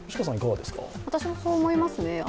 私もそう思いますね。